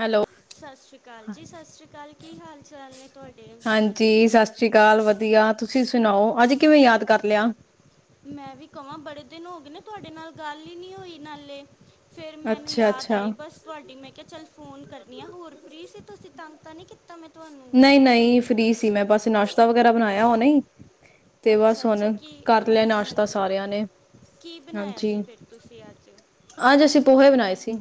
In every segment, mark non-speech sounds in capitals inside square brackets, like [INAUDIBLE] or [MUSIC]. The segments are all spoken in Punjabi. ਹੈਲੋ ਸਤਿ ਸ਼੍ਰੀ ਅਕਾਲ ਜੀ ਸਤਿ ਸ੍ਰੀ ਅਕਾਲ ਕੀ ਹਾਲ ਚਾਲ ਨੇ ਤੁਹਾਡੇ। ਹਾਂਜੀ ਸਤਿ ਸ੍ਰੀ ਅਕਾਲ ਵਧੀਆ ਤੁਸੀਂ ਸੁਣਾਓ ਅੱਜ ਕਿਵੇਂ ਯਾਦ ਕਰ ਲਿਆ? ਮੈਂ ਵੀ ਕਵਾਂ ਬੜੇ ਦਿਨ ਹੋ ਗਏ ਨੇ ਤੁਹਾਡੇ ਨਾਲ ਗੱਲ ਹੀ ਨਹੀ ਹੋਈ ਨਾਲੇ। ਫਿਰ ਮੈਨੂੰ ਅੱਛਾ ਯਾਦ ਅੱਛਾ ਆਈ ਬਸ ਤੁਹਾਡੀ ਮੈਂ ਕਿਹਾ ਚੱਲ ਫੋਨ ਕਰਨੀ ਆ ਹੋਰ ਫ੍ਰੀ ਸੀ ਤੁਸੀਂ ਤੰ ਨਹੀ ਕੀਤਾ ਮੈਂ ਮਨ ਨੂੰ ਨਹੀਂ ਨਹੀਂ ਫ੍ਰੀ ਸੀ ਮੈਂ ਬਸ ਨਾਸ਼ਤਾ ਵਗੈਰਾ ਬਣਾਇਆ ਹੋਣੇ ਹੀ। ਤੇ ਬਸ ਅੱਛਾ ਹੁਣ ਅੱਛਾ ਕੀ ਕਰ ਲਿਆ ਹਾਂਜੀ ਨਾਸ਼ਤਾ ਹਾਂਜੀ ਸਾਰਿਆਂ ਨੇ ਕੀ ਬਣਾਇਆ ਹਾਂਜੀ ਸੀ ਫਿਰ ਤੁਸੀਂ ਅੱਜ ਅਜ ਅਸੀ ਪੋਹੇ ਬਣਾਏ ਸੀ।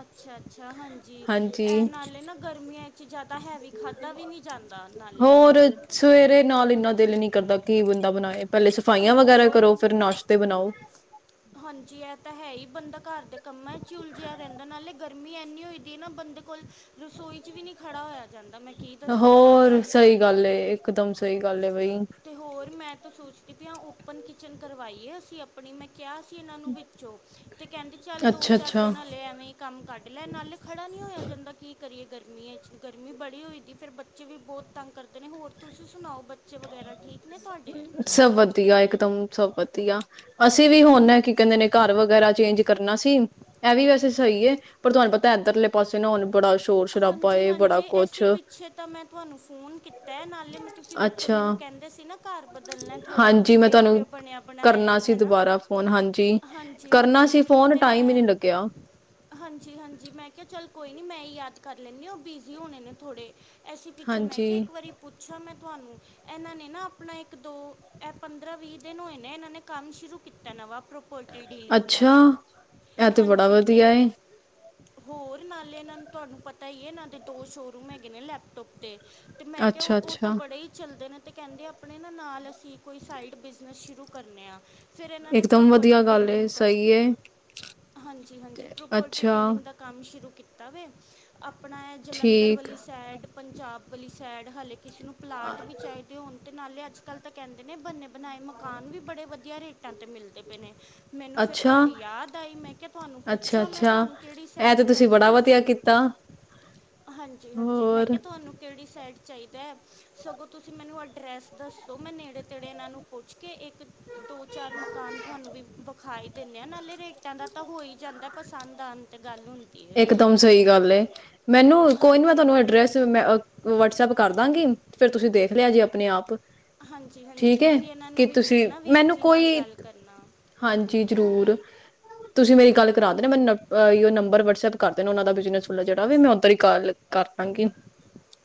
ਅੱਛਾ ਅੱਛਾ ਹਾਂਜੀ ਇਹ ਹਾਂਜੀ ਨਾਲੇ ਨਾ ਗਰਮੀਆਂ ਚ ਜ਼ਿਆਦਾ ਹੈਵੀ ਖਾਧਾ ਵੀ ਨਹੀਂ ਜਾਂਦਾ ਨਾਲੇ ਹੋਰ ਸਵੇਰੇ ਨਾਲ ਇੰਨਾ ਦਿਲ ਨੀ ਕਰਦਾ ਕੀ ਬੰਦਾ ਬਣਾਏ। ਪਹਿਲੇ ਤੇ ਸਫਾਈਆਂ ਵਗੈਰਾ ਹੋਰ ਕਰੋ ਫਿਰ ਨਾਸ਼ਤੇ ਬਣਾਓ। ਹਾਂਜੀ ਇਹ ਤਾਂ ਹੈ ਹੀ ਬੰਦਾ ਘਰ ਦੇ ਕੰਮਾਂ ਚ ਉਲਝਿਆ ਰਹਿੰਦਾ ਨਾਲੇ ਗਰਮੀ ਇੰਨੀ ਹੋਈ ਦੀ ਏ ਨਾ ਬੰਦੇ ਕੋਲ ਰਸੋਈ ਚ ਵੀ ਨਹੀਂ ਖੜਾ ਹੋਇਆ ਜਾਂਦਾ। ਮੈਂ ਕੀ ਦੱਸਾਂ ਤੁਹਾਨੂੰ ਹੋਰ ਅੱਜ ਸਹੀ ਕੱਲ ਗੱਲ ਇਕ ਦਮ ਸਹੀ ਗੱਲ ਏ ਬਈ। ਤੇ ਹੋਰ ਮੈਂ ਤਾਂ ਸੋਚਦੀ ਆ ਓਪਨ ਕਿਚਨ ਕਰਵਾਈਏ ਅਸੀ ਆਪਣੀ ਮੈਂ ਕਿਹਾ ਸੀ ਇਹਨਾਂ ਨੂੰ ਵਿੱਚੋਂ ਤੇ ਕਹਿੰਦੇ ਚੱਲ ਦੋ ਅੱਛਾ ਚਾਰ ਅੱਛਾ ਦਿਨ ਹਲੇ ਐਵੇਂ ਹੀ ਕੰਮ ਕਢ ਲੈ ਨਾਲ ਖੜਾ ਨਹੀਂ ਹੋਇਆ ਜਾਂਦਾ ਕੀ ਕਰੀਏ ਗਰਮੀ ਗਰਮੀਆਂ ਚ ਗਰਮੀ ਬੜੀ ਹੋਈ ਦੀ ਫਿਰ ਬੱਚੇ ਵੀ ਬਹੁਤ ਤੰਗ ਕਰਦੇ ਨੇ ਹੋਰ ਤੁਸੀਂ ਸੁਣਾਓ ਬੱਚੇ ਵਗੈਰਾ ਠੀਕ ਨੇ ਤੁਹਾਡੇ ਸਭ ਵਧੀਆ ਇੱਕ ਦਮ। ਸਭ ਵਧੀਆ। ਅਸੀਂ ਵੀ ਹੁਣ ਕੀ ਹਾਂਜੀ ਕਹਿੰਦੇ ਨੇ ਹਾਂਜੀ ਘਰ ਵਗੈਰਾ ਚੇਂਜ ਕਰਨਾ ਸੀ ਇਹ ਵੀ ਵੈਸੇ ਸਹੀ ਹੈ। ਪਰ ਤੁਹਾਨੂੰ ਪਤਾ ਇੱਧਰਲੇ ਪਾਸੇ ਨ ਹੋਣ ਬੜਾ ਸ਼ ਹਾਂਜੀ ਹਾਂਜੀ ਐਸੀ ਪਿੱਛੇ ਤਾਂ ਮੈਂ ਤੁਹਾਨੂੰ ਫ਼ੋਨ ਕੀਤਾ ਨਾਲੇ ਮੈਂ ਤੁਸੀਂ ਵੀ ਚ ਅੱਛਾ ਮੈਨੂੰ ਕਹਿੰਦੇ ਸੀ ਨਾ ਘਰ ਬਦਲਣਾ ਏ ਥੋੜਾ ਹਾਂਜੀ ਤੁਸੀਂ ਮੈਂ ਵੇਖ ਰਹੇ ਤੁਹਾਨੂੰ ਹੋ ਬਣਿਆ ਬਣਾਇਆ ਕਰਨਾ ਹੀ ਸੀ ਹੈਨਾ ਦੁਬਾਰਾ ਫੋਨ ਹਾਂਜੀ ਹਾਂਜੀ ਕਰਨਾ ਹਾਂਜੀ ਸੀ ਫੋਨ ਤੇ ਟਾਈਮ ਹੀ ਮੈਂ ਨਹੀਂ ਲੱਗਿਆ ਹਾਂਜੀ ਹਾਂਜੀ ਮੈਂ ਕਿਹਾ ਚੱਲ ਕੋਈ ਨਹੀਂ ਮੈਂ ਯਾਦ ਕਰ ਲੈਨੀ ਔ ਬਿਜ਼ੀ ਹੋਣੇ ਨੇ ਥੋੜੇ। ਐਸੀ ਪਿੱਛੇ ਮੈਂ ਕਿਹਾ ਹਾਂਜੀ ਇੱਕ ਵਾਰੀ ਪੁੱਛਾਂ ਮੈਂ ਤੁਹਾਨੂੰ। ਇਹਨਾਂ ਨੇ ਨਾ ਆਪਣਾ ਇੱਕ ਦੋ ਇਹ ਪੰਦਰਾਂ ਵੀਹ ਦਿਨ ਹੋਏ ਨੇ ਇਹਨਾਂ ਨੇ ਕੰਮ ਸ਼ੁਰੂ ਕੀਤਾ ਨਵਾਂ। ਪ੍ਰੋਪਰਟੀ ਡੀਲਿੰਗ ਦਾ ਅੱਛਾ ਇਹ ਤੇ ਬੜਾ ਹਾਂਜੀ ਤੇ ਵਧੀਆ ਏ ਹੋਰ ਨਾਲੇ ਇਹਨਾਂ ਨੂੰ ਤੁਹਾਨੂੰ ਪਤ ਤਾਂ ਹੀ ਹੈ ਇਹਨਾਂ ਦੇ ਦੋ ਸ਼ੋਅਰੂਮ ਹੈਗੇ ਨੇ ਲੈਪਟੋਪ ਦੇ। ਤੇ ਮੈਂ ਕਿਹਾ ਅੱਛਾ ਉਹ ਤਾਂ ਅੱਛਾ ਬੜੇ ਹੀ ਚੱਲਦੇ ਨੇ ਤੇ ਕਹਿੰਦੇ ਆਪਣੇ ਨਾ ਨਾਲ ਅਸੀਂ ਕੀ ਕੋਈ ਸਾਈਡ ਬਿਜ਼ਨਸ ਸ਼ੁਰੂ ਕਰਨ ਆਾਂ ਫਿਰ ਇਹਨਾਂ ਨੇ ਇਕਦਮ ਵਧੀਆ ਪ੍ਰੋਪਰਟੀ ਗੱਲ ਏ ਡੀਲਿੰਗ ਦਾ ਸਹੀ ਏ ਹਾਂਜੀ ਹਾਂਜੀ ਪ੍ਰੋਪਰਟੀ ਅੱਛਾ ਡੀਲਿੰਗ ਦਾ ਕੰਮ ਸ਼ੁਰੂ ਕੀਤਾ ਤਵੇ ਆਪਣਾ ਹੈ ਜਲੰਧਰ ਠੀਕ ਵਾਲੀ ਸਾਈਡ ਪੰਜਾਬ ਵਾਲੀ ਸ਼ਾਇਡ ਹਾਲੇ ਕਿਸੇ ਨੂੰ ਪਲਾਟ ਵੀ ਚਾਹੀਦੇ ਹੁੰਦੇ ਤੇ ਨਾਲੇ ਅੱਜ ਕੱਲ੍ਹ ਤਾਂ ਕਹਿੰਦੇ ਨੇ [UNINTELLIGIBLE] ਬਨਾਏ ਮਕਾਨ ਵੀ ਬੜੇ ਵਧ ਵਧੀਆ ਰੇਟਾਂ ਤੇ ਮਿਲਦੇ ਪਏ ਨੇ। ਮੈਨੂੰ ਫੇਰ ਅੱਛਾ ਤੁਆਡੀ ਯਾਦ ਆਈ, ਮੈਂ ਕਿਆ ਤੁਆਨੂੰ ਪੁੱਛਾਂ ਮੈਂ ਅੱਛਾ-ਅੱਛਾ, ਤੁਆਨੂੰ ਕੇੜੀ ਇਹ ਸਾਈਡ ਤੇ ਚਾਹੀਦਾ? ਬੜਾ ਤੁਸੀਂ ਵਧੀਆ ਕੀਤਾ ਹਾਂਜੀ ਹਾਂਜੀ ਮੈਂ ਹੋਰ ਕਿਹਾ ਤੁਹਾਨੂੰ ਕਿਹੜੀ ਸਾਈਡ ਚਾਹੀਦੈ ਸਗੋਂ ਤੁਸੀਂ ਮੈਨੂੰ ਐਡਰੈਸ ਦੱਸੋ ਮੈਂ ਨੇੜੇ ਤੇੜੇ ਇਹਨਾਂ ਨੂੰ ਪੁੱਛ ਕੇ ਇੱਕ ਦੋ-ਚਾਰ ਮਕਾਨ ਤੁਹਾਨੂੰ ਵੀ ਵਖਾਏ। ਦਿੰਦੇ ਆਂ, ਨਾਲੇ ਰੇਟਾਂ ਦਾ ਤਾਂ ਹੋ ਈ ਜਾਂਦਾ। ਪਸੰਦ ਆਨ ਤੇ ਗੱਲ ਹੁੰਦੀ ਏ। ਇਕਦਮ ਸਹੀ ਗੱਲ ਏ। ਮੈਨੂੰ ਕੋਈ ਨੀ ਮੈਂ ਤੁਹਾਨੂੰ ਐਡਰੈਸ ਮੈਂ ਅ ਵਟਸਪ ਕਰ ਦਾਂਗੀ ਫੇਰ ਤੁਸੀਂ ਦੇਖ ਲਿਆ ਜੇ ਆਪਨੇ ਆਪ। ਹਾਂਜੀ ਹਾਂਜੀ ਠੀਕ ਹੈ! ਤੁਸੀਂ ਇਹਨਾਂ ਨੂੰ ਕਿ ਵੀ ਤੁਸੀਂ, ਪੁੱਛਣਾ ਵੀਰ ਮੈਨੂੰ ਜੀ ਨਾਲ ਕੋਈ, ਗੱਲ ਕਰਨਾ ਹਾਂਜੀ ਜਰੂਰ। ਤੁਸੀਂ ਮੇਰੀ ਗੱਲ ਕਰਾ ਦੇਨਾ। ਮੈਨ ਅਯ ਨੰਬਰ ਵਟਸਐਪ ਕਰ ਦੇਨਾ ਔਨਾ ਦਾ, ਬਿਜ਼ਨਸ ਵਾਲਾ ਜੇੜਾ ਵੀ ਮੈਂ ਉਧਰ ਹੀ ਕਾੱਲ ਕਰ ਦਾਂਗੀ,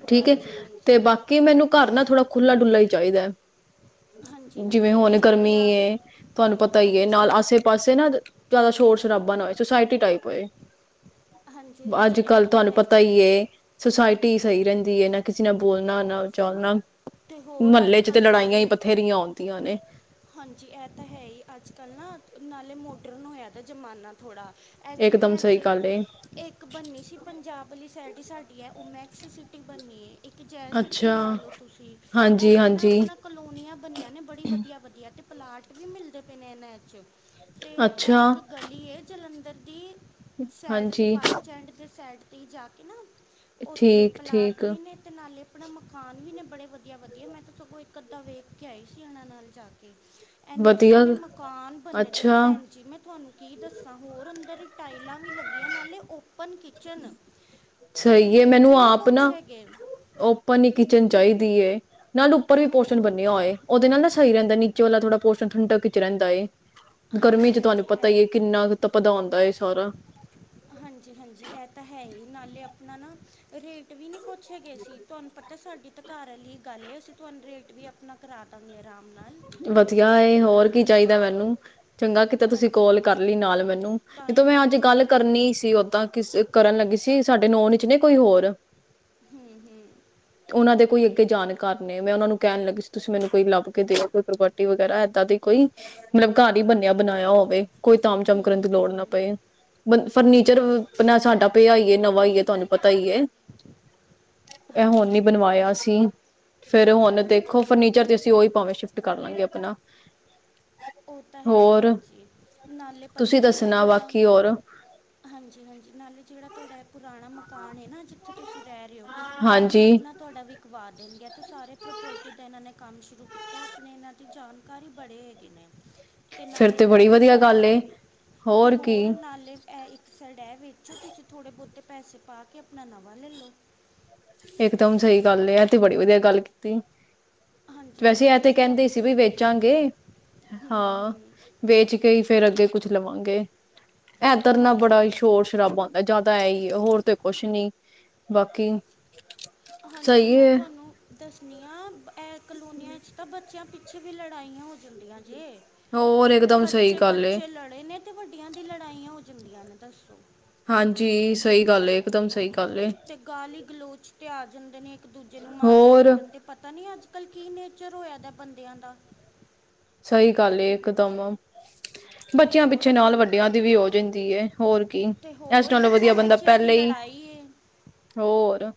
ਠੀਕ ਐ। ਹਾਂਜੀ ਤੇ ਹਾਂਜੀ ਬਾਕੀ ਮੈਨੂੰ ਘਰ ਨਾ ਥੋੜਾ ਖੁੱਲਾ ਡੁੱਲਾ ਈ ਚਾਹੀਦੈ। ਹਾਂਜੀ ਜਿਵੇਂ ਹਾਂਜੀ ਹੁਨ ਨਹੀਂ ਗਰਮੀ ਵਧੀਆ ਏ, ਤੁਹਾਨੂੰ ਪਤਾ ਈ ਏ ਨਾਲ ਹਾਂਜੀ ਆਸੇ ਪਾਸੇ ਨਾ ਦ ਦਾ ਸ਼ੋਰ-ਸ਼ਰਾਬਾ ਨਾ ਹੋਏ, ਸੁਸਾਇਟੀ ਟਾਈਪ ਹੋਏ। ਹਾਂਜੀ ਹਾਂਜੀ ਇਹ ਅੱਜ-ਕੱਲ੍ਹ ਤਾਂ ਤੁਹਾਨੂੰ ਹੈਗਾ ਪਤਾ ਈ ਹੀ ਹੈ ਏ, ਸੁਸਾਇਟੀ ਸਈ ਰੇਂਦੀ ਏ, ਨਾ ਕਿਸੇ ਨਾਲ ਬ ਬੋਲਨਾ ਨਾ ਚਾਲਨਾ। ਤੇ ਹੋਰ ਅੱਜ ਮਹੱਲੇ ਚ ਤੇ ਕੱਲ ਲੜਾਈਆਂ ਈ ਸਾਰੇ ਬਥੇਰੀਆਂ ਹੂੰਦੀਆਂ ਨੇ। ਹਾਂਜੀ! ਐ ਤਾਂ ਹੈ ਈ, ਅੱਜ-ਕੱਲ੍ਹ ਨਾ ਨਾਲੇ ਮੋਡਰਨ ਹੋਇਆ ਦਾ ਜਮਾਨਾ ਥੋੜ੍ਹਾ। ਐ ਜਿਵੇਂ ਇਕਦਮ ਸਹੀ ਐੱਥੇ, ਗੱਲ ਏ ਏੱਕ ਬਨਣੀ ਸੀ ਪੰਜਾਬ ਆਲੀ ਸੈਡ ਈ ਸਾਡੀ ਐ ਓ ਮੈਕਸ ਸਿਟਿੰਗ ਬੰਨੀ ਏ ਇੱਕ ਜੈ ਸਿਟੀ ਅੱਛਾ ਲਾ ਲਓ ਤੁਸੀਂ, ਹਾਂਜੀ ਐੱਥੇ ਨਾ ਹਾਂਜੀ ਆਪਣਾ ਕਲੋਨੀਆਂ ਬਣੀਆਂ ਨੇ ਬੜੀ ਵਧੀ ਵੱਧੀਆ ਤੇ ਪਲਾਟ ਵੀ ਮਿਲਦੇ ਪੇ ਨੇ ਏਨਾਂ ਤੇ ਐ ਅੱਛਾ ਇੱਕ ਗਲੀ ਏ ਜਲੰਧ ਤਰਦੀਰ ਸੈਡ ਤੇ ਹਾਂਜੀ ਬੱਸ ਸਟੈਂਡ ਦੇ ਸੈਡ ਤੇ ਜਾ ਕੇ ਨਾ ਓੱਥੇ ਠੀਕ ਪਲਾਟ ਠੀਕ ਵੀ ਨੇ ਤੇ ਨਾਲੇ ਅਪਣਾ ਮਕਾਨ ਵੀ ਨੇ ਬੜੇ ਵੱਧੀਆ-ਵੱਧੀਆ ਮੈਂ ਤੇ ਸਗੋਂ ਇੱਕ ਅੱਧਾ ਵੇਖ ਕੇ ਆਈ ਸੀ ਏਨਾਂ ਨਾਲ ਜਾ ਕੇ ਐਨੇਂ ਵਧੀਆ ਸੋਣੇ ਮਕਾਨ ਬਣੇ ਦੇ ਨੇ ਅੱਛਾ ਭੈਣ ਜੀ ਮੈਂ ਤੁਆਨੂੰ ਕੀ ਦੱਸਾਂ ਹੋਰ ਅੰਦਰ ਈ ਟਾਈ ਈਲਾਂ ਵੀ ਲੱਗੀਆਂ ਨਾਲੇ ਔਪ ਓਪਨ ਕਿਚਨ। ਤੇ ਸਈ ਏ ਰੇਟ ਮੈਨੂੰ ਵੀ ਨਹੀਂ ਆਪ ਕੁਛ ਨਾ, ਹੈਗੇ ਓਪਨ ਈ ਕਿਚਨ ਚਾਈਦ ਦੀਏ। ਨਾਲ ਉੱਪਰ ਤੇ ਵੀ ਪੋਸ਼ਨ ਹੋਰ ਬੰਨਿਆ ਓਐ, ਓਦੇ ਨਾਲ ਨਾ ਸਈ ਰੈੰਦੈ ਨੀਚ ਨੀਚੇ ਵਾਲਾ ਥੋੜ੍ਹਾ ਪੋਸ਼ਣ ਠੰਡਕ ਚ ਰੈੰਦਾ ਏ। ਗਰਮੀ ਹਾਂਜੀ ਚ ਤੁਆਨੂੰ ਹਾਂਜੀ ਪਤਾ ਇਹ ਈ ਏ ਕਿੰਨਾ ਕ ਤੱਪਦਾ ਹੁੰਦਾ ਏ ਸਾਰਾ। ਹਾਂਜੀ ਹਾਂਜੀ ਇਹ ਤਾਂ ਹੈ ਹੀ ਨਾਲੇ ਅਪਣਾ ਨਾ, ਰੇਟ ਵੀ ਨੀ ਪੁੱਛੇ ਗੇ ਸੀ, ਤੁਆਨੂੰ ਪਤ ਤੇ ਸਾਡੀ ਤਾਂ ਘਰ ਆਲੀ ਗੱਲ ਏ ਅਸੀਂ ਤੁਆਨੂੰ ਰੇਟ ਵੀ ਅਪਣਾ ਕਰਾ ਦਾਂਗੇ ਅਰਾਮ ਨਾਲ। ਵਧੀਆ ਏ, ਹੋਰ ਕੀ ਚਾਈਦੈ ਮੈਨੂੰ‌‌। ਚੰਗਾ ਕੀਤਾ ਤੁਸੀਂ ਹਾਂਜੀ ਕੋਲ ਹਾਂਜੀ ਕਰਲੀ ਨਾਲ ਮੇਨੂੰ, ਨੀ ਤਾਂ ਟਾਈਮ ਮੈਂ ਮੈਨੂੰ ਅੱਜ ਤੁਹਾਡੀ ਗੱਲ ਕਰਨੀ ਸੀ ਓਦਾਂ ਕਿਸ ਕਰਨ ਲੱਗੀ ਸੀ, ਸਾਡੇ ਨੌਨ ਚ ਨੇ ਕੋਈ ਹੋਰ। ਹੂੰ ਹੂੰ ਓਨਾਂ ਦੇ ਕੋਈ ਤੇ ਜਾਣ ਕਾਰ ਨੇ, ਮੈਂ ਓਨਾਂ ਨੂੰ ਕੈਣ ਲੱਗੀ ਸੀ ਤੁਸੀਂ ਮੈਨੂੰ ਕੋਈ ਲੱਭ ਕੇ ਦਿਓ ਪ੍ਰਪੋਟੀ ਵਗੈਰਾ ਐਦਾਂ ਦੀ ਕੋਈ, ਮਲਬ ਘਾਰ ਬਈ ਬੰਨਿਆ ਬਣਾਏਆ ਹੋਵੇ, ਕੋਈ ਤਾਮ-ਚਮ ਕਰਨ ਦੀ ਹੂੰ ਲੋੜ ਨਾ ਹੂੰ ਪਏ, ਬਣ ਫਰਨੀਚਰ ਵ ਅਪਣਾ ਸਾਡਾ ਪੇਆ ਈਏ, ਨਵਾਂ ਈਏ, ਤੁਆਨੂੰ ਪਤ ਤਾ ਈਏ, ਐ ਹੁਣ ਹਾਂਜੀ ਈ ਹਾਂਜੀ ਬਣਵਾਏਆ ਸੀ। ਫੇਰ ਹੁਣ ਦੇਖੋ ਫਰਨੀਚਰ ਤੇ ਅਸੀਂ ਓਈ ਪਾਵੇਂ ਸ਼ਿਫ ਟ ਕਰ ਲਾਂਗੇ ਅਪਣਾ। ਔ ਤਾਂ ਹੈ ਹੀ ਹਾਂਜੀ। ਨਾਲੇ ਪਤਾ ਤੁਸੀਂ ਕੀ ਐ ਦੱਸਣਾ ਜੇੜਾ ਬਾਕੀ ਹੋਰ ਹਾਂਜੀ ਹਾਂਜੀ ਨਾਲੇ ਜੇੜਾ ਤੋਡਾ ਐ ਪੁਰਾਣਾ ਮਕਾਨ ਏ ਨਾ ਜਿੱਥੇ ਤੁਸੀਂ ਰੈ ਰੇ ਔ ਐ ਵੀ ਹਾਂਜੀ ਅਪਣਾ ਤੋਡਾ ਵਿਕਵਾ ਦੇਣਗੇ। ਤੋਂ ਸਾਰੇ ਪ੍ਰੋਪਰਟੀ ਦਾ ਐਨਾਂ ਨੇ ਕੰਮ ਸ਼ੁਰੂ ਕੀਤੈ ਅਪਣੇ ਏਨਾਂ ਦੀ ਜਾਣਕਾਰ ਈ ਬੜੇ ਹੈਗੇ ਨੇ। ਤੇ ਫਿਰ ਨਾਲੇ ਐ ਬੜੀ ਵੀ ਵਧੀਆ ਤੁਵਾਡਾ ਗੱਲ ਏ ਤੇ ਹੋਰ ਨਾਲੇ ਐ ਇੱਕ ਸਾਈਡ ਐ ਵੇਚੋ ਤੁਸੀਂ ਥੋੜੇ ਬੌਤੇ ਪੈਸੇ ਪਾ ਕੇ ਅਪਣਾ ਨਵਾਂ ਲੈ ਲੋ। ਇਕ ਦਮ ਸਹੀ ਗੱਲ ਏ, ਐਤੇ ਬੜੀ ਵਧੀਆ ਗੱਲ ਕੀਤੀ। ਹਾਂਜੀ ਵੈਸੇ ਹਾਂਜੀ ਐ ਤੇ ਤੁਸੀਂ ਕਹਿੰਦੇ ਸੀ ਲੱਭਦੇ ਹੀ ਵੀ ਪਏ ਸੀ ਵੇਚਾਂਗੇ ਹੂੰ ਹਾਂ ਹੂੰ ਵੇਚ ਕੇ ਹੀ ਫੇਰ ਅੱਗੇ ਕੁਛ ਲਵਾਂਗੇ ਐ ਦਰ ਹਾਂਜੀ ਬੜਾ ਹੀ ਹਾਂਜੀ ਸ਼ੋਰ ਸ਼ਰਾਬਾ ਆਦਾ ਜਿਆਦਾ ਇਹ ਹੀ ਹੈ ਹੋਰ ਤੇ ਕੁਛ ਨੀ ਬਾਕੀ [INAUDIBLE] ਹਾਂਜੀ। ਸਹੀ ਮੈਂ ਹੈ ਤੁਹਾਨੂੰ ਦਸਣੀਆਂ ਇਹ ਕਲੋਨੀਆਂ ਤਾਂ ਬਦ ਬੱਚਿਆਂ ਪਿੱਛੇ ਵੀ ਲੜਾਈਆਂ ਹੋ ਜਾਂਦੀਆਂ ਨੇ ਜੇ ਹੋਰ ਇਕਦਮ ਸਹੀ ਬੱਚੇ ਗੱਲ ਏ ਬੱਚੇ ਲੜੇ ਨੇ ਤੇ ਵੱਡੀਆਂ ਦੀ ਲੜਾਈਆਂ ਹੋ ਜਿੰਦੀਆਂ ਨੇ ਦੱਸੋ ਹਾਂਜੀ ਸਹੀ ਗੱਲ ਹੈ ਇਕਦਮ ਸਹੀ ਗੱਲ। ਏ ਤੇ ਗਾਲੀ ਗਲੋਚ ਤੇ ਆ ਜਾਂਦੇ ਨੇ ਇੱਕ ਦੂਜੇ ਨੂੰ ਮਾਰਨ ਹੋਰ ਕੁੱਟਣ ਤੇ ਪਤਾ ਨੀ ਅੱਜ-ਕੱਲ ਕੀ ਨੇਚਰ ਹੋਇਆ ਦਾ ਬੰਦਿਆਂ ਦਾ ਸਹੀ ਗੱਲ ਏ ਇਕਦਮ ਤੇ ਬੱਚਿਆਂ ਹੋਰ ਪਿੱਛੇ ਨਾਲ ਆਪਣਾ ਵੱਡਿਆਂ ਦੀ ਵੀ ਹੋ ਜਾਂਦੀ ਏ। ਹੋਰ ਕੀ ਤੇ ਇਸ ਹੋਰ ਨਾਲੋਂ ਬੱਚਿਆਂ ਵਧੀਆ ਬੰਦਾ ਬੱਚਿਆਂ ਦੀ ਪਹਿਲੇ ਈ ਲੜਾਈ ਹੋਰ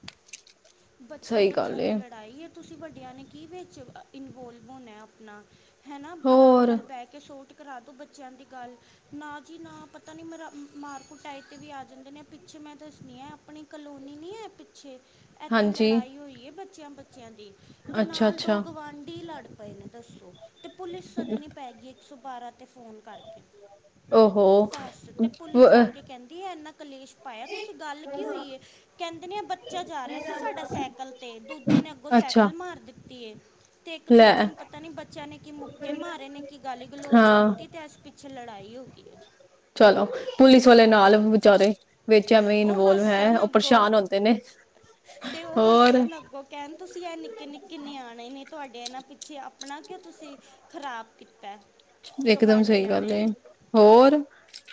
ਸਹੀ ਬੱਚਿਆਂ-ਬੱਚਿਆਂ ਗੱਲ ਦੀ ਏ ਲੜਾਈ ਏ। ਤੁਸੀਂ ਵੱਡਿਆਂ ਨੇ ਕੀ ਵਿੱਚ ਅ ਇਨਵੋਲਵ ਹੋਣਾ ਆਪਣਾ ਹੈ ਨਾ ਆਰਾਮ ਹੋਰ ਨਾਲ ਬਹਿ ਕੇ ਸੋਟ ਕਰਾ ਦਿਉ ਬੱਚਿਆਂ ਦੀ ਗੱਲ ਨਾ ਜੀ ਨਾ ਪਤਾ ਨਹੀਂ ਮਰਾ ਮਾਰ ਕੂਟਾਈ ਤੇ ਵੀ ਆ ਜਾਂਦੇ ਨੇ ਪਿੱਛੇ ਮੈਂ ਦੱਸਣੀ ਆ ਆਪਣੀ ਕਲੋਨੀ ਨੀ ਏ ਪਿੱਛੇ ਇੱਥੇ ਹਾਂਜੀ ਲੜਾਈ ਹੋਈ ਹੈ ਬ ਬੱਚਿਆਂ-ਬੱਚਿਆਂ ਦੀ ਤੇ ਅੱਛਾ ਨਾਲ ਦੋ ਅੱਛਾ ਗਵਾਂਢੀ ਲੜ ਪਏ ਨੇ ਦੱਸੋ ਤੇ ਪੁਲਿਸ ਸਦਨੀ ਪੈ ਗਈ। ਇੱਕ ਸੌ ਬਾਰਾ ਤੇ ਫੋਨ ਕਰਕੇ ਓਹੋ ਦੱਸ ਤੇ ਪੁਲਿਸ ਆ ਕੇ ਕਹਿੰਦੀ ਏ ਇਨਾ ਕਲੇਸ਼ ਪਾਇਆ ਤੁਸੀਂ। ਗੱਲ ਕੀ ਹੋਈ, ਕਹਿੰਦੇ ਨੇ ਬੱਚਾ ਜਾ ਰਿਹਾ ਸੀ। ਸਾਡਾ ਸਾਈਕਲ ਤੇ ਦੂਜੇ ਨੇ ਅੱਗੋਂ ਅੱਛਾ ਸਾਈਕਲ ਮਾਰ ਦਿੱ ਤੀ ਏ। ਤੇ ਇੱਕ ਲੈ ਦੂਜੇ ਨੂੰ ਪਤਾ ਨੀ ਬੱਚਿਆਂ ਨੇ ਕੀ ਮੁੱਕੇ ਮਾਰੇ ਨੇ ਕੀ ਗੱਲ ਗਲੋਚ ਹਾਂ ਕੀਤੀ ਤੇ ਇਸ ਫਿਰ ਲੜਾਈ ਹੋ ਗਈ। ਹੈ ਚਲੋ ਪੁਲਿਸ ਵਾਲੇ ਨਾਲ ਵਿਚਾਰੇ ਵਿੱਚ ਐਵੇਂ ਉਹ ਇਨਵੋਲਵ ਹੈ ਹੱਸਣ ਉਹ ਅੱਗੋ ਪਰੇਸ਼ਾਨ ਹੁੰਦੇ ਨੇ ਤੇ ਉਹ ਹੋਰ ਹੱਸਣ ਅੱਗੋ ਕਹਿਣ ਤੁਸੀਂ ਇਹ ਨਿੱਕੇ ਨਿੱਕੇ ਨਿਆਣੇ ਨੇ ਤੁਹਾਡੇ ਇਹਨਾਂ ਪਿੱਛੇ ਆਪਣਾ ਕਿਉਂ ਤੁਸੀਂ ਖ਼ਰਾਬ ਕੀਤਾ। ਇਕਦਮ ਸਹੀ ਗਵਾਂਢੀਆਂ ਗੱਲ ਐ। ਨੇ ਹੋਰ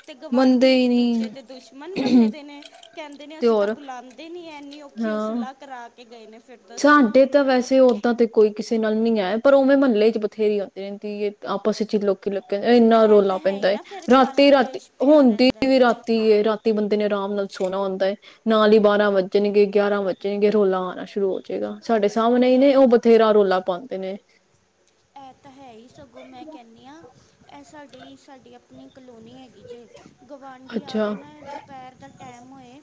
ਤੇ ਗਵਾਂਢੀ ਮੰਦੇ ਇੱਕ ਹੀ ਨਹੀਂਂ। ਦੂਜੇ ਦੇ ਦੁਸ਼ਮਣ ਬੰਨੇ ਦੇ ਕਹਿੰਦੇ ਨੇ ਅਸੀਂ ਤਾਂ ਬੁਲਾਉਂਦੇ ਨੀ ਐਨੀ ਔਖੀ ਉਹ ਹਾਂ ਸੁਲਾਹ ਕਰਾ ਕੇ ਗਏ ਨੇ। ਫਿਰ ਦੱਸੋ ਸਾਡੇ ਤਾਂ ਵੈਸੇ ਓਦਾਂ ਤੇ ਕੋਈ ਕਿਸੇ ਨਾਲ ਨੀ ਹੈ। ਪਰ ਉਵੇਂ ਮਹੱਲੇ ਚ ਬਥੇਰੀ ਹੁੰਦੀ ਰਹਿੰਦੀ ਹ ਆਪਸ ਚ ਲੋਕੀ ਕਹਿੰਦੇ ਇੰਨਾ ਐ ਰੋਲਾ ਤਾਂ ਹੈ ਹੀ ਪੈਂਦਾ ਏ ਨਾ ਫਿਰ ਕੱਲ ਰਾਤੀ-ਰਾਤੀ ਕਲੇਸ਼ ਪਿਆ ਹੁੰਦੀ ਰਹਿੰਦਾ ਹੈ। ਵੀ ਰਾਤੀ ਏ ਰਾਤੀ ਬੰ ਇੰਨੇ ਆਰਾਮ ਨਾਲ ਸੋਹਣਾ ਹੁੰਦਾ ਹੈ ਨਾਲ ਹੀ ਬਾਰਾਂ ਵੱਜਣਗੇ ਗਿਆਰਾਂ ਵੱਜਣਗੇ ਰੌਲਾ ਆਣਾ ਸ਼ੁਰੂ ਹੋ ਜੇ ਗਾ। ਸਾਡੇ ਤੇ ਸਾਹਮਣੇ ਹੀ ਨੇ ਉਹ ਬਥੇਰਾ ਰੋਲਾ ਪਾਦੇ ਨੇ ਇਹ ਤਾਂ ਹੈ ਹੀ ਸਗੋਂ ਮੈਂ ਕਹਿੰਦੀ ਹਾਂ ਇਹ ਸਾਡੀ, ਸਾਡੀ ਆਪਣੀ ਆਪਣੀ ਕਲੋਨੀ ਜੇ ਗਵਾਂਢੀ ਆ ਅੱਛਾ ਕੇ ਨਾ ਦੁਪਹਿਰ ਦਾ ਟਾਈਮ ਹੋਏ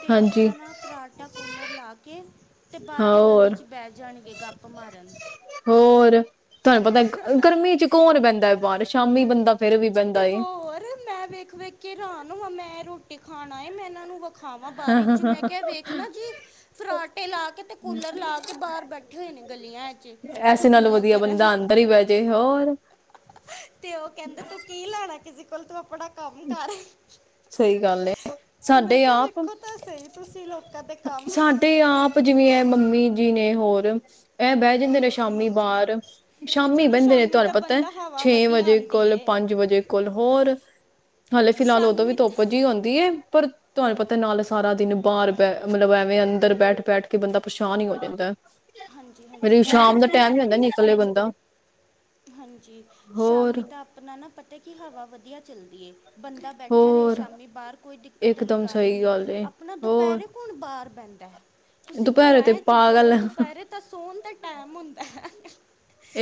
ਤੇ ਹਾਂਜੀ ਆਪਣਾ ਨਾ ਫਰਾਟਾ ਕੂਲਰ ਲਾ ਕੇ ਤੇ ਬਾਹਰ ਹਾਂ ਈ ਗਲੀ ਹੋਰ 'ਚ ਬਹਿ ਜਾਣਗੇ ਗੱਪ ਮਾਰਨ। ਹੋਰ ਤੁਹਾਨੂੰ ਪਤਾ ਗਰਮੀ ਚ ਕੌਣ ਬੈਂਦਾ ਬਾਰ ਸ਼ਾਮੀ ਬੰਦਾ ਫਿਰ ਵੀ ਬੈਨਦਾ ਤੇ ਏ। ਹੋਰ ਮੈਂ ਵੇਖ ਵੇਖ ਕੇ ਹੈਰਾਨ ਮੈਂ ਰੋਟੀ ਖਾਣਾ ਆਏ ਮੈਂ ਇਹਨਾਂ ਨੂੰ ਖਾਵਾਂ ਬਾਰੀ ਚ ਮੈਂ ਕਿਹਾ ਵੇਖ ਨਾ ਜੀ ਫਰਾਟੇ ਲਾ ਕੇ ਤੇ ਕੂਲਰ ਲਾ ਕੇ ਬਾਹਰ ਬੈਠੇ ਹੋਏ ਨੇ ਗਲੀਆਂ ਚ ਇਸੇ ਨਾਲੋਂ ਚੁਗਲੀਆਂ ਵਧੀਆ ਕਰਨ ਬੰਦਾ ਅੰਦਰ ਹੀ ਬਹਿ ਜੇ ਹੋਰ। ਕਿਸੀ ਕੋਲ ਤੂੰ ਆਪਣਾ ਕੰਮ ਕਰ। ਸਹੀ ਗੱਲ ਐ ਮੈਂ ਸਾਡੇ ਕਿਹਾ ਆਪ, ਵੇਖੋ ਤਾਂ ਸਹੀ ਤੁਸੀਂ ਲੋਕਾਂ ਦੇ ਕੰਮ ਸਾਡੇ ਆਪ ਜਿਵੇਂ ਹੈ ਮੰਮੀ ਜੀ ਨੇ ਹੋਰ ਇਹ ਬਹਿ ਜਾਂਦੇ ਨੇ ਹਾਂਜੀ ਸ਼ਾਮੀ ਹਾਂਜੀ ਵਾਰ ਤੇ ਸ਼ਾਮੀ ਚਲੋ ਬਹਿੰਦੇ ਨੇ ਸ਼ਾਮੀ ਤੁਹਾਨੂੰ ਤਾਂ ਪਤਾ ਬੰਦਾ ਹਵਾ ਛੇ ਵਧੀਆ ਵਜੇ ਆਂਦੀ ਕੋਲ ਏ ਪੰਜ ਵਜੇ ਕੋਲ ਹੋਰ ਹਾਲੇ ਫਿਲਹਾਲ ਉਦੋਂ ਸ਼ਾਮੀ ਤਾਂ ਵੀ ਉਂਦੀ ਏ ਪਰ ਤੁਹਾਨੂੰ ਪਤਾ ਨਾਲ ਸਾਰਾ ਦਿਨ ਬਾਰ ਪੈ ਮਤਲਬ ਐਵੇਂ ਅੰਦਰ ਬੈਠ-ਬੈਠ ਕਿ ਬੰਦਾ ਪਰੇਸ਼ਾਨ ਹੀ ਹੋ ਜਾਂਦਾ। ਹਾਂਜੀ ਹਾਂਜੀ ਇਹ ਤਾਂ ਸ਼ਾਮ ਦਾ ਹੈ ਟੈਮ ਹੀ ਹੁੰਦਾ ਨਿਕਲੇ ਬੰਦਾ। ਹਾਂਜੀ! ਹੋਰ ਸ਼ਾਮੀ ਤਾਂ ਆਪਣਾ ਨਾ ਪਤਾ ਕਿ ਹਵਾ ਵਧੀਆ ਚੱਲਦੀ ਏ। ਬੰਦਾ ਬੈਠਾ ਰਹੇ ਹੋਰ ਸ਼ਾਮੀ ਬਾਹਰ ਕੋ ਕੋਈ ਦਿੱਕਤ ਅਲੀ ਇਕਦਮ ਗੱਲ ਈ ਸਹੀ ਨਹੀਂ ਏ ਆਪਣਾ ਹੋਰ ਦੁਪਹਿਰੇ ਕੌਣ ਬਾਹਰ ਬਹਿੰਦਾ। ਤੁਸੀਂ ਦੁਪਹਿਰੇ ਤੇ ਘਰਾਂ 'ਚ ਬਓ ਪਾਗਲ ਦੁਪਹਿਰੇ ਤਾਂ ਸੋਣ ਦਾ ਟਾਈਮ ਹੁੰਦਾ। ਆਹ-ਆਹ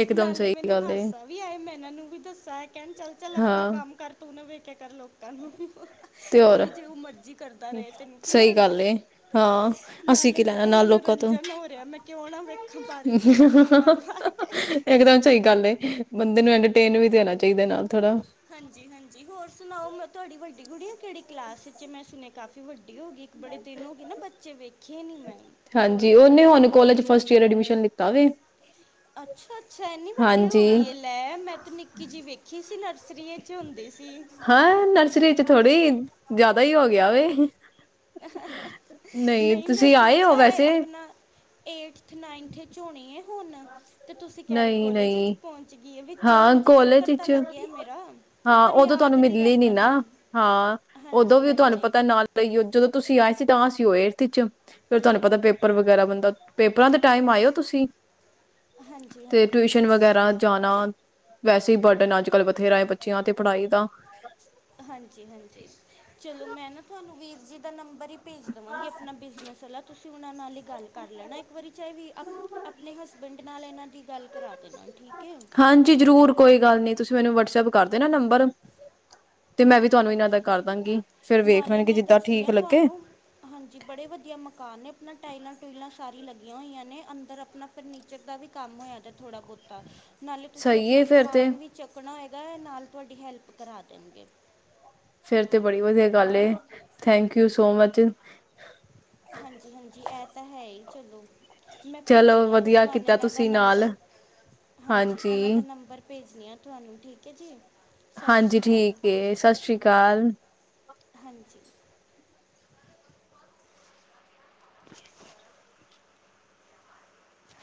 ਇੱਕਦਮ ਸਹੀ ਮੈਨੂੰ ਗੱਲ ਏ। ਹਾਸਾ ਵੀ ਆਏ, ਮੈਂ ਇਹਨਾਂ ਨੂੰ ਵੀ ਦੱਸਾਂ ਏ ਕੇਣ ਚੱਲ ਚੱਲ ਆਪਣਾ ਹਾਂ ਕੰਮ ਕਰ ਤੂੰ। ਵੇਖਿਆ ਕਰ ਲੋ ਆਹ-ਆਹ। ਤੇ ਹੋਰ ਕੋਈ ਜੋ ਮਰਜੀ ਕਰਦਾ ਰਏ ਤੈਨੂੰ ਕੀ ਸਹੀ ਲੈਣਾ। ਗੱਲ ਏ ਹਾਂ ਅਸੀਂ ਨਾਲੇ ਕੀ ਮੈਂ ਲੈਣਾ ਕਿਹਾ ਨਾਲ ਲੋਕਾਂ ਤੋਂ ਮਨੋਰੰਜਨ ਹੋ ਰਿਹਾ ਮੈਂ ਕਿਉ ਨਾ ਵੇਖਾਂ ਬਾਰੀ ਚੋਂ ਚਾਤਾਂ ਮਾਰ ਮਾਰ ਕੇ। ਏਹ -ਏਹ ਇਕਦਮ ਸਹੀ ਗੱਲ ਏ ਬੰਦੇ ਨੂੰ ਐੰਟਰਟੇਨ ਵੀ ਦੇਣਾ ਚਾਹੀਦਾ ਨਾਲ। ਥੋੜਾ ਹਾਂਜੀ-ਹਾਂਜੀ ਹੋਰ ਸੁਣਾਓ ਮੈਂ- ਤੁਹਾਡੀ ਵੱਡੀ ਗੁੜੀਆ ਕੇੜੀ ਕਲਾਸ 'ਚ ਏ। ਮੈਂ ਸੁਣੇ ਕਾਫ਼ੀ ਵੱਡੀ ਹੋ ਗਈ। ਇਕ ਬੜੇ ਦਿਨ ਹੋ ਗਏ ਨਾ ਬੱਚੇ ਵੇਖੇ ਨੀ ਮੈਂ ਚ ਐਡਮਿਸ਼ਨ ਲਿੱਤਾ ਵੇ। ਅੱਛਾ, ਅੱਛਾ ਏਨੀ ਵੱਡੀ ਹੋ ਹਾਂਜੀ ਗਈ ਏ, ਲੈ ਮੈ ਤੇ ਨਿੱਕੀ ਜਿਹੀ ਵੇਖੀ ਸੀ। ਨਰਸਰੀ 'ਚ ਹੁੰਦੀ ਸੀ। ਹਾਂ ਨਰਸਰੀ 'ਚ ਥੋੜੀ ਜਾਦਾ ਹੀ ਹੋ ਗਿਆ ਵੇ। ਨਈ ਨਹੀਂ ਤੁਸੀਂ ਆਏ ਓ ਵੈਸੇ। ਏਤਥ ਥ-ਨਾਂਈਥ 'ਚ ਹੋਣੀ ਏ। ਨਈ, ਨਈ। ਪਹੁੰਚ ਗਈ ਹੈ ਵਿੱਚੋਂ ਹਾਂ ਹਾਂਜੀ ਚੱਕਰ ਕੋਲੇਜ ਤਾਂ ਵਿੱਚ, ਲੱਗਿਆ ਮੇਰਾ ਹਾਂ ਪਰ ਓਦੋ ਤੁਆਨੂੰ ਯਾਦ ਨਹੀਂ ਮਿਲਲੀ ਨੀ ਰਹਿੰਦਾ ਨਾ। ਹਾਂ, ਓਦੋਂ ਹਾਂਜੀ ਵੀ ਤੁਆਨੂੰ ਹਾਂਜੀ ਪਤਾ ਨਾਲ ਗਈ ਜਦੋ ਤੁਸੀ ਆਏ ਸੀ ਤਾ ਸੀ ਓ ਏਤਥ ਚ। ਫੇਰ ਤੁਆਨੂੰ ਪਤਾ ਪੇਪਰ ਵਗੈਰਾ ਬੰਦਾ, ਪੇਪਰਾਂ ਦੇ ਟਾਈਮ ਆਏ ਹੋ ਤੁਸੀ। ਹਾਂਜੀ ਤੇ ਹਾਂਜੀ ਟਿਊਸ਼ਨ ਵਗੈਰਾ ਜਾਨਾ। ਵੈਸੇ ਹੀ ਬਰਡਨ ਅੱਜ-ਕੱਲ ਬਥੇਰਾ ਏ ਬੱਚੇਆਂ ਤੇ ਪੜਾਈ ਦਾ। ਹਾਂਜੀ, ਹਾਂਜੀ। ਚਲੋ ਮੈਂ ਨਾ ਤੁਹਾਨੂੰ ਵੀਰ ਜੀ ਦਾ ਨੰਬ ਨੰਬਰ ਈ ਭੇਜ ਦੇਵਾਂਗੀ ਅਪਨਾ ਬਿਜਨਸ ਅਲਾ ਤੁਸੀ ਓਨਾਂ ਨਾਲ ਈ ਗੱਲ ਕਰ ਲੈਣਾ ਇੱਕ ਵਾਰੀ, ਚਾਹੇ ਵੀ ਅ ਆਪਣੇ ਹਸਬੈਂਡ ਨਾਲ ਏਨਾਂ ਦੀ ਗੱਲ ਕਰਾ ਦੇਨਾ। ਠੀਕ ਹੈ ਹਾਂਜੀ, ਜਰੂਰ ਕੋਈ ਗੱਲ ਨੀ ਤੁਸੀ ਮੈਨੂੰ ਵਟਸਪ ਕਰ ਦੇਨਾ ਨੰਬਰ। ਤੇ ਮੈਂ ਵੀ ਹਾਂਜੀ, ਤੁਹਾਨੂੰ ਇਹਨਾਂ ਦਾ ਹਾਂਜੀ। ਕਰ ਦਾਂਗੀ ਫਿਰ ਵੇਖ ਨਾਲੇ ਲੈਣਗੇ ਮੈਂ ਜਿੱਦਾਂ ਦੱਸਣੀ ਠੀਕ ਆ ਲੱਗੇ ਤੁਹਾਨੂੰ, ਹਾਂਜੀ, ਬੜੇ ਵਧੀਆ ਮਕਾਨ ਨੇ। ਆਪਣਾ ਟਾਇਲਾਂ ਟੂਇਲਾਂ- ਸਾਰੀ ਲੱਗੀਆਂ ਹੋਈਆਂ ਨੇ, ਅੰਦਰ ਆਪਨਾ ਫਰਨੀਚਰ ਦਾ ਵੀ ਕੰਮ ਹੋਇਆ ਦਾ ਥੋੜਾ ਬਹੁਤਾ। ਨਾਲੇ ਤੁਸੀਂ ਸਹੀ ਆਪਣਾ ਹੈ ਫਿਰ ਤੇ ਸਮਾਨ ਵੀ ਚੱਕਣਾ- ਨਾਲ ਤੁਹਾਡੀ ਹੈਲਪ ਕਰਾ ਦੇਣਗੇ। ਏ ਤੇ ਬੜੀ ਵਧੀਆ ਗੱਲ ਏ। Thank you so much. ਹਾਂਜੀ ਹਾਂਜੀ ਇਹ ਤਾਂ ਹੈ ਈ ਚਲੋ। ਮੈਂ ਚਲੋ ਭੇਜਣੀ ਸੁਣਹਾ ਵਧੀਆ ਕੀਤਾ ਤੁਹਾਨੂੰ ਤੁਸੀਂ ਨਾਲ ਹਾਂਜੀ ਠੀਕ ਹੈ ਜੀ ਸਤਿ ਸ਼੍ਰੀ ਹਾਂਜੀ ਅਕਾਲ ਠੀਕ ਸਤਿ ਸ੍ਰੀ ਅਕਾਲ ਹਾਂਜੀ